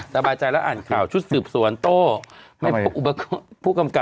สบายแล้วเนาะ